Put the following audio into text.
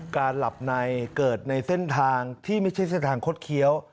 การหลับในเกิดในเส้นทางที่ไม่ใช่เส้นทางคดเคี้ยว